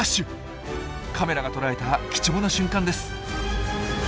カメラが捉えた貴重な瞬間です。